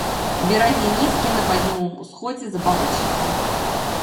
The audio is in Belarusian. Берагі нізкія, на паўднёвым усходзе забалочаныя.